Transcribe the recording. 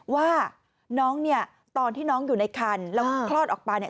ว่าน้องตอนที่น้องอยู่ในคันแล้วคลอดออกไป